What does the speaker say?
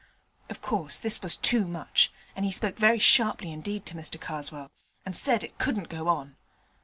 Of course this was too much, and he spoke very sharply indeed to Mr Karswell, and said it couldn't go on.